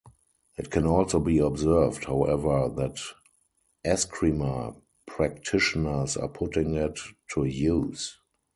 It can also be observed however that "Escrima" practitioners are putting it to use.